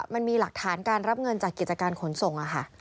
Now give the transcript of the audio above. มันมีหลักฐานการรับเงินจากกิจการขนส่งค่ะ